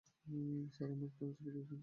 Sir, আমাকে আজ please মানাতে আসবেন না।